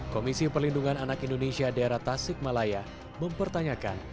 komisi perlindungan anak indonesia daerah tasik malaya mempertanyakan